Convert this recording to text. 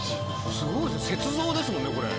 すごい雪像ですもんねこれ。